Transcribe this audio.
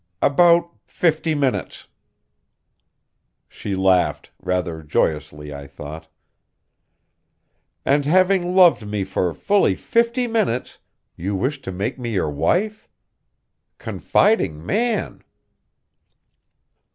"About fifty minutes." She laughed, rather joyously I thought. "And having loved me for fully fifty minutes, you wish to make me your wife? Confiding man!"